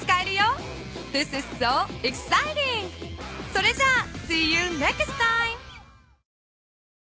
それじゃあ。